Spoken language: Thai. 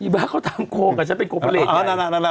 บ๊าเขาทำโครกกับฉันเป็นกรุงภะเรศไง